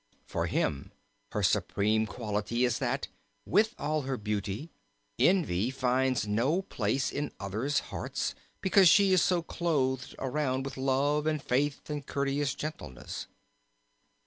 For him her supreme quality is that, with all her beauty, envy finds no place in others' hearts because she is so clothed around with love and faith and courteous gentleness.